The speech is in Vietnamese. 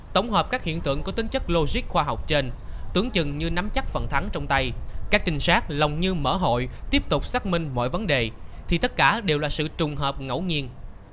tổng hợp các hiện tượng có tính chất logic khoa học trên tướng chừng như nắm chắc phần thắng trong tay các trinh sát lòng như mở hội tiếp tục xác minh mọi vấn đề thì tất cả đều là sự trùng hợp ngẫu nhiên